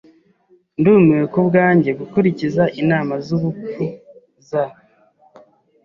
Ndumiwe kubwanjye gukurikiza inama zubupfu za